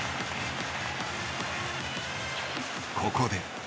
ここで。